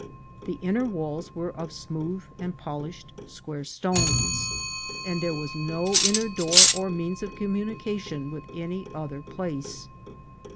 The inner walls were of smooth and polished square stones, and there was no inner door or means of communication with any other place.